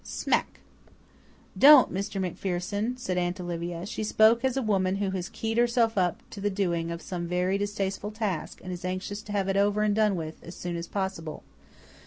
SMACK! "Don't, Mr. MacPherson," said Aunt Olivia. She spoke as a woman who has keyed herself up to the doing of some very distasteful task and is anxious to have it over and done with as soon as possible.